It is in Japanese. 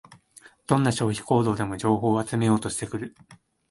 どんな消費行動でも情報を集めようとしてくる